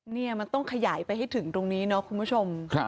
นี่มันต้องขยายไปให้ถึงตรงนี้เนาะคุณผู้ชม